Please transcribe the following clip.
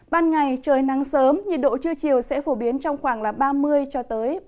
ban ngày trời nắng sớm nhiệt độ trưa chiều sẽ phổ biến trong khoảng ba mươi ba mươi một độ